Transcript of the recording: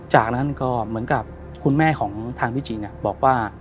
จากนั้นก็เหมือนกับคุณแม่ของทางพี่จีนบอกว่า